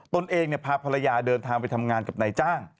ตนเองพาภรรยาเดินทางไปทำงานกับนายจ้าง